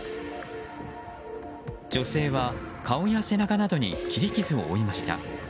女性は、顔や背中などに切り傷を負いました。